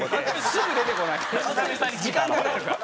すぐ出てこないから。